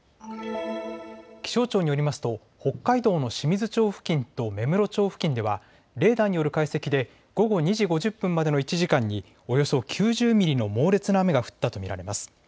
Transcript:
気象庁によりますと北海道の清水町付近と芽室町付近ではレーダーによる解析で午後２時５０分までの１時間におよそ９０ミリの猛烈な雨が降ったと見られます。